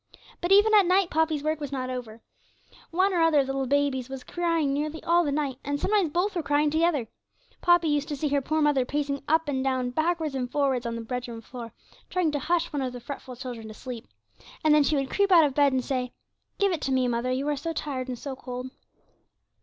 But even at night Poppy's work was not over. One or other of the babies was crying nearly all the night, and sometimes both were crying together. Poppy used to see her poor mother pacing up and down, backwards and forwards on the bedroom floor, trying to hush one of the fretful children to sleep. And then she would creep out of bed and say, 'Give it to me, mother, you are so tired and so cold.'